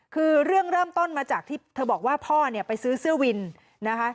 คือเรื่องเริ่มต้นมาจากที่เธอบอกว่าพ่อเนี่ยไปซื้อเสื้อวินนะคะ